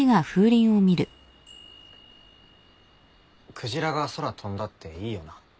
クジラが空飛んだっていいよな。